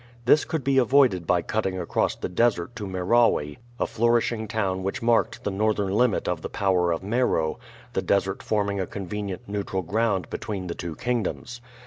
This could be avoided by cutting across the desert to Merawe, a flourishing town which marked the northern limit of the power of Meroe, the desert forming a convenient neutral ground between the two kingdoms.